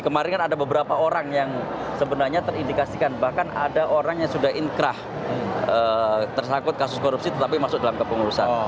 kemarin kan ada beberapa orang yang sebenarnya terindikasikan bahkan ada orang yang sudah inkrah tersangkut kasus korupsi tetapi masuk dalam kepengurusan